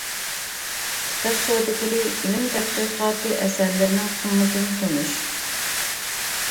كىتاب سودىگىرى ئىلىم تەتقىقاتى ئەسەرلىرىنىڭ قىممىتىنى تونۇش.